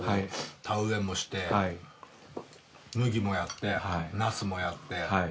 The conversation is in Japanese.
田植えもして麦もやってナスもやって。